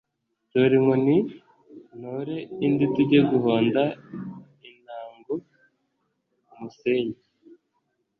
Tora inkoni ntore indi tujye guhonda intanoga-Umusenyi.